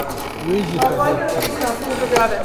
Wê jî ferheng kirî.